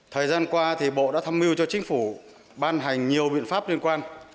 thời gian qua thì bộ đã tham mưu cho chính phủ ban hành nhiều biện pháp liên quan